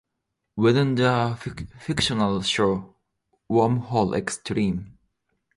Within the fictional show Wormhole X-Treme!